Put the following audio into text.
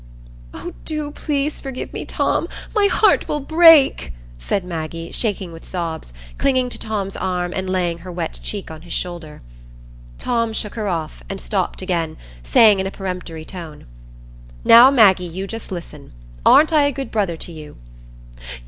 "Oh, please forgive me, Tom; my heart will break," said Maggie, shaking with sobs, clinging to Tom's arm, and laying her wet cheek on his shoulder. Tom shook her off, and stopped again, saying in a peremptory tone, "Now, Maggie, you just listen. Aren't I a good brother to you?"